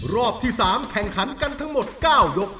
รอบที่๓แข่งขันกันทั้งหมด๙ยก